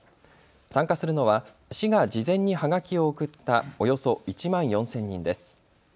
参加するのは市が事前にはがきを送ったおよそ１万４０００人です。